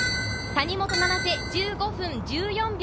谷本七星、１５分１４秒！